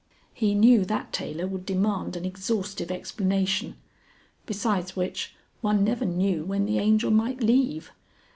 He knew that tailor would demand an exhaustive explanation. Besides which, one never knew when the Angel might leave.